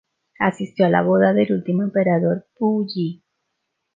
Asistió a la boda del último emperador, Pu Yi.